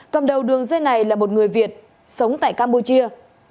cầm đầu đường dây này là một người việt sống tại campuchia